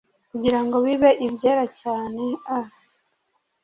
kugira ngo bibe ibyera cyane a